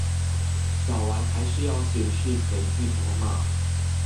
掃完還是要顯示載具條碼